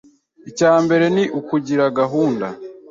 Icya mbere ni ukugira gahunda.